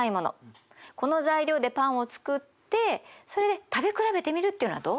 この材料でパンを作ってそれで食べ比べてみるっていうのはどう？